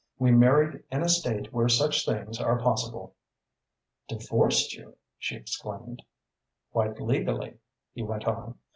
We married in a State where such things are possible." "Divorced you?" she exclaimed. "Quite legally," he went on.